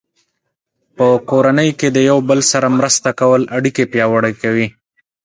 په کورنۍ کې د یو بل سره مرسته کول اړیکې پیاوړې کوي.